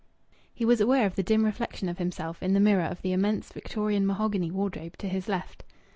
He was aware of the dim reflection of himself in the mirror of the immense Victorian mahogany wardrobe to his left.